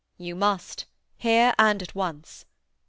"You must. Here and at once."